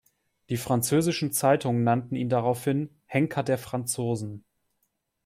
Die französischen Zeitungen nannten ihn daraufhin "Henker der Franzosen".